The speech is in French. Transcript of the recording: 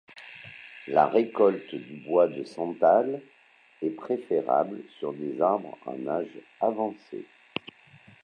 La récolte du bois de santal est préférable sur des arbres en âge avancé.